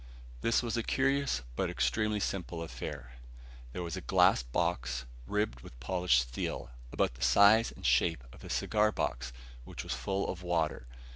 This was a curious, but extremely simple affair. There was a glass box, ribbed with polished steel, about the size and shape of a cigar box, which was full of water.